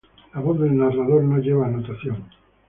La voz del narrador no lleva notación.